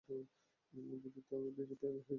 যদি তোর video viral হয়ে যায়?